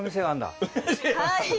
はい！